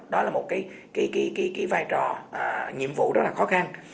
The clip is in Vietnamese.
đó là một cái vai trò nhiệm vụ rất là khó khăn